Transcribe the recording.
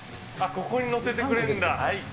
ここに載せてくれるんだ。